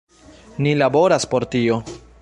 Ni laboras por tio.